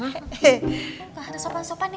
he gak ada sopan sopan ya